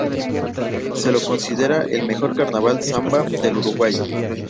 Se lo considera el "Mejor Carnaval Samba del Uruguay".